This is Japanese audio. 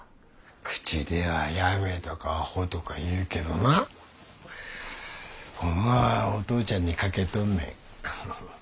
口ではやめとかアホとか言うけどなホンマはお父ちゃんにかけとんねん。